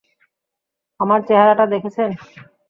আমার চেহারাটা দেখেছেন?